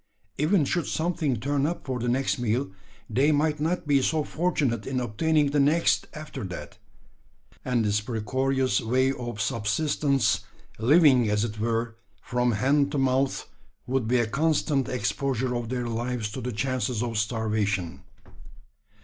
Even should something turn up for the next meal, they might not be so fortunate in obtaining the next after that; and this precarious way of subsistence living, as it were, from hand to mouth would be a constant exposure of their lives to the chances of starvation.